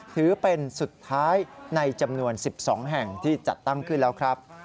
ถือเป็นสุดท้ายในจำนวน๑๒แห่งที่จัดตั้งขึ้นแล้วครับ